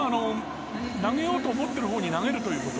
投げようと思ってるほうに投げるということ。